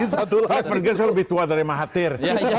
clifford gertz lebih tua dari mahathir